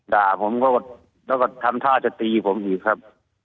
ด่าผมก็แล้วก็ทำท่าจะตีผมอีกครับ